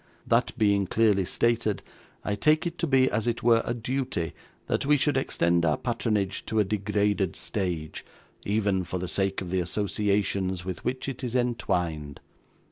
That being clearly stated, I take it to be, as it were, a duty, that we should extend our patronage to a degraded stage, even for the sake of the associations with which it is entwined.